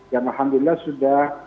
yang alhamdulillah sudah